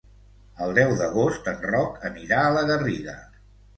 El deu d'agost en Roc anirà a la Garriga.